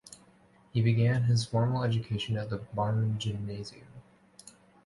He began his formal education at the Barmen Gymnasium.